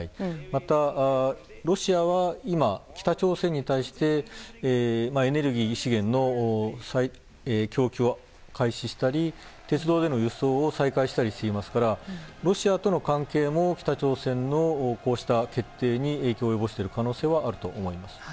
またロシアは今、北朝鮮に対してエネルギー資源の供給を開始したり鉄道での輸送を再開したりしていますからロシアとの関係も北朝鮮のこうした決定に影響を及ぼしている可能性はあると思います。